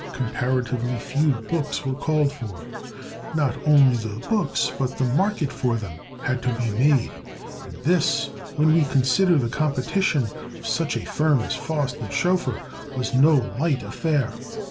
Comparatively few books were called for, not only the books, but the market for them, had to be made; and this, when we consider the competition of such a firm as Faust and Schoeffer, was no light affair.